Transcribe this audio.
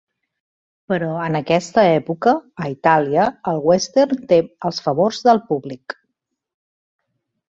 Però, en aquesta època, a Itàlia, el western té els favors del públic.